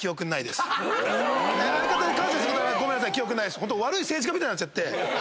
嘘⁉ホント悪い政治家みたいになっちゃって。